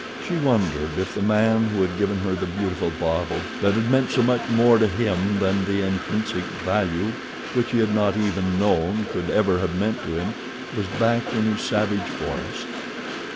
She wondered if the man who had given her the beautiful bauble, that had meant so much more to him than the intrinsic value which he had not even known could ever have meant to him, was back in his savage forest.